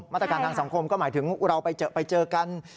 มาตรการทางสังคมก็หมายถึงเราไปเจอกัน